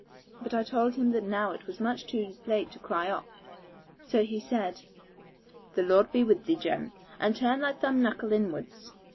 But I told him that now it was much too late to cry off; so he said, 'The Lord be with thee, Jan, and turn thy thumb knuckle inwards.'